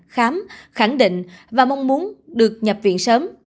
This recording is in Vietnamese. khám khẳng định và mong muốn được nhập viện sớm